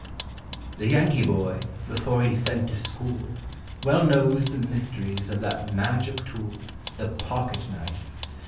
Tin: Yankee boy, before he 's sent to school, Well knows the mysteries of that magic tool, The pocket knife.